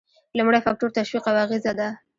لومړی فکتور تشویق او اغیزه ده.